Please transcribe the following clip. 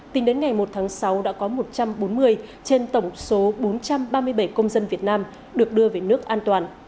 tính đến ngày một tháng sáu đã có một trăm bốn mươi trên tổng số bốn trăm ba mươi bảy công dân việt nam được đưa về nước an toàn